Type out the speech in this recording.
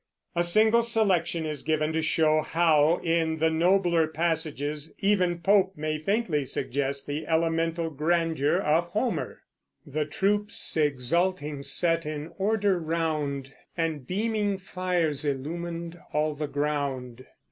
A single selection is given to show how, in the nobler passages, even Pope may faintly suggest the elemental grandeur of Homer: The troops exulting sat in order round, And beaming fires illumined all the ground.